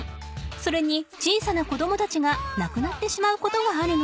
それに小さなこどもたちがなくなってしまうことがあるの。